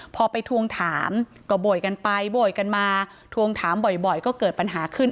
พอไปทวงถามก็โบยกันไปโบยกันมาทวงถามบ่อยก็เกิดปัญหาขึ้น